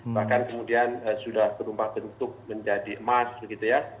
bahkan kemudian sudah berubah bentuk menjadi emas begitu ya